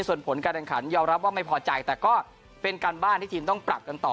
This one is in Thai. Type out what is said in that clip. ส่วนผลการแข่งขันยอมรับว่าไม่พอใจแต่ก็เป็นการบ้านที่ทีมต้องปรับกันต่อ